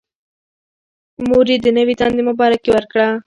موږ یې د نوې دندې مبارکي ورکړه.